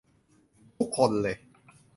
ทุกคนเลย~